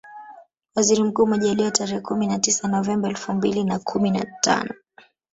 Waziri Mkuu Majaliwa tarehe kumi na tisa Novemba elfu mbili na kumi na tano